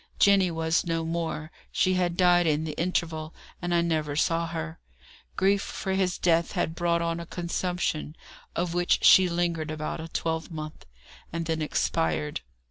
Jenny was no more; she had died in the interval, and I never saw her. Grief for his death had brought on a consumption, of which she lingered about a twelvemonth, and then expired.